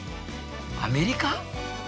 アメリカ？